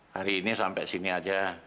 hari ini sampai sini aja